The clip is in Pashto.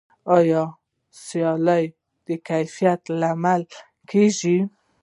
آیا سیالي د کیفیت لامل کیږي؟